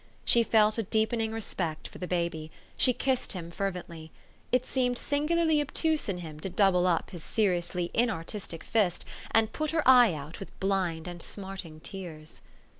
She felt a deepening respect for the baby. She kissed him fervently. It seemed singularly obtuse in him to double up his seriously THE STORY OF AVIS. 277 inartistic fist, and put her eye out with blind and smarting tears.